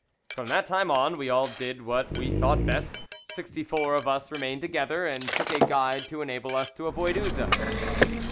"From that time on we all did what we thought best: sixty four of us remained together, and took a guide to enable us to avoid Uzes."